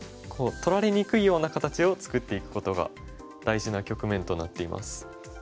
取られにくいような形を作っていくことが大事な局面となっています。